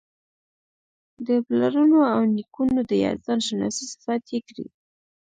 د پلرونو او نیکونو د یزدان شناسۍ صفت یې کړی.